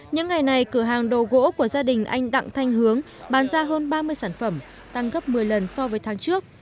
những ngày này cửa hàng đồ gỗ của gia đình anh đặng thanh hướng bán ra hơn ba mươi sản phẩm tăng gấp một mươi lần so với tháng trước